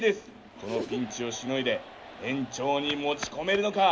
このピンチをしのいで延長に持ち込めるのか。